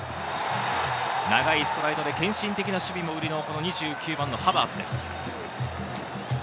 長いストライドで献身的な守備が売りの２９番のハバーツです。